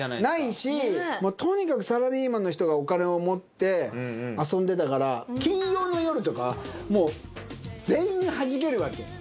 ないしとにかくサラリーマンの人がお金を持って遊んでたから金曜の夜とかもう全員がはじけるわけ。